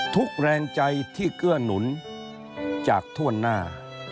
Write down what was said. แรงใจที่เกื้อหนุนจากถ้วนหน้า